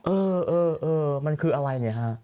เออมันคืออะไรเนี่ยค่ะ